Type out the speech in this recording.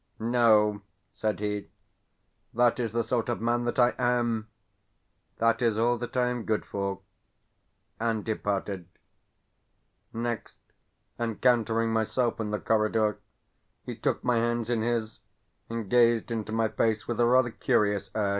"No," said he, "that is the sort of man that I am that is all that I am good for," and departed. Next, encountering myself in the corridor, he took my hands in his, and gazed into my face with a rather curious air.